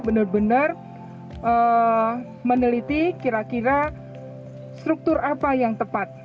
benar benar meneliti kira kira struktur apa yang tepat